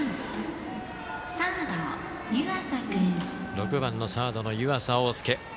６番のサードの湯浅桜翼。